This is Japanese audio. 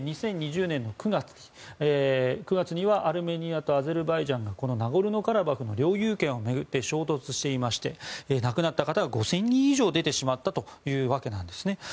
２０２０年９月にはアルメニアとアゼルバイジャンがこのナゴルノカラバフの領有権を巡って衝突していまして亡くなった方が５０００人以上出てしまったというわけです。